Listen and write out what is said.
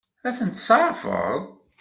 Ad ten-tseɛfeḍ?